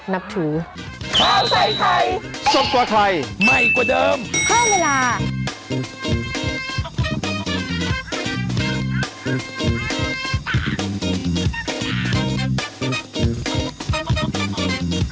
นับถือ